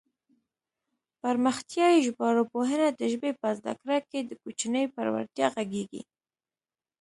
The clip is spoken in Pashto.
پرمختیایي ژبارواپوهنه د ژبې په زده کړه کې د کوچني پر وړتیا غږېږي